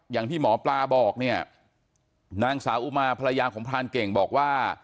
อย่างที่หมอปลาบอกเนี่ยนางสาวอุมาภรรยาของพรานเก่งบอกว่า